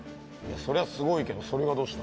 そりゃスゴいけどそれがどうした。